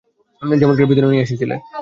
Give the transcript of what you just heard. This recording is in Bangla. যেমন করে ভিতরে নিয়ে এসেছিলে।